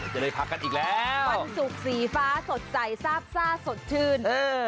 จะได้พักกันอีกแล้ววันศุกร์สีฟ้าสดใสซาบซ่าสดชื่น